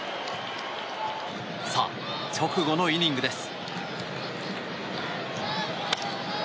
さあ、直後のイニングです。